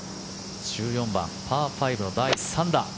１４番、パー５の第３打。